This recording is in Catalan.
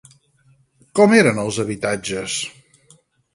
Com eren els habitatges?